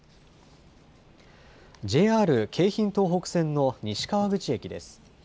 ＪＲ京浜東北線の西川口駅です。